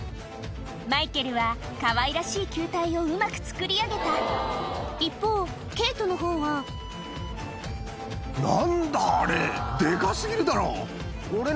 マイケルはかわいらしい球体をうまく作り上げた一方ケイトのほうは何だ⁉あれデカ過ぎるだろ。